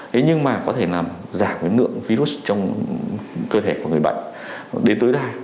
nhưng mà có thể làm giảm cái ngượng virus trong cơ thể của người bệnh đến tới đây